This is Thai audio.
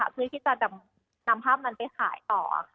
เพื่อให้พี่จานนำภาพมันไปขายต่อ